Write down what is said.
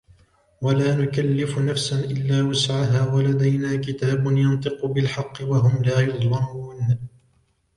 ولا نكلف نفسا إلا وسعها ولدينا كتاب ينطق بالحق وهم لا يظلمون